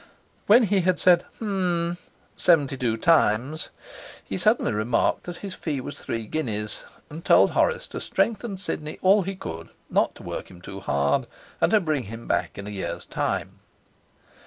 When he had said 'hum' seventy two times he suddenly remarked that his fee was three guineas, and told Horace to strengthen Sidney all he could, not to work him too hard, and to bring him back in a year's time.